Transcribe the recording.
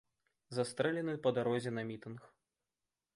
Застрэлены па дарозе на мітынг.